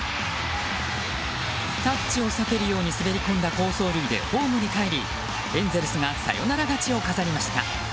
タッチを避けるように滑り込んだ好走塁でホームにかえり、エンゼルスがサヨナラ勝ちを飾りました。